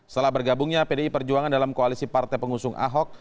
setelah bergabungnya pdi perjuangan dalam koalisi partai pengusung ahok